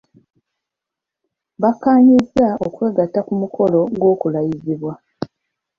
Bakkaanyizza okwegatta ku mukolo gw'okulayizibwa.